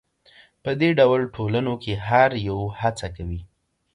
په دې ډول ټولنو کې هر یو هڅه کوي